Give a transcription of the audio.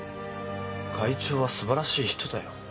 会長は素晴らしい人だよ。